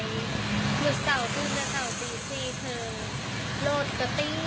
โทษเจ้าพูดเจ้าดูพี่เธอ